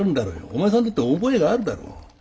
お前さんだって覚えがあるだろう？